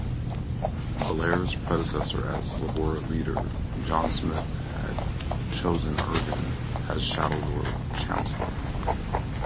Blair's predecessor as Labour leader, John Smith, had chosen Irvine as Shadow Lord Chancellor.